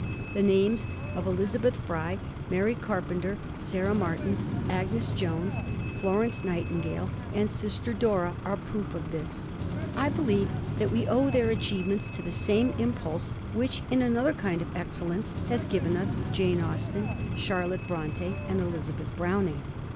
The names of Elizabeth Fry, Mary Carpenter, Sarah Martin, Agnes Jones, Florence Nightingale, and Sister Dora are a proof of this. I believe that we owe their achievements to the same impulse which in another kind of excellence has given us Jane Austen, Charlotte Brontë, and Elizabeth Browning.